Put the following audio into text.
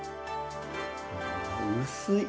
薄い。